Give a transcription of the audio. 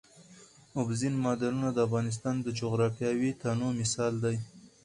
اوبزین معدنونه د افغانستان د جغرافیوي تنوع مثال دی.